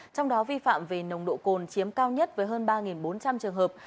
trong đó vi phạm về nồng độ cồn chiếm cao nhất với hơn ba bốn trăm linh trường hợp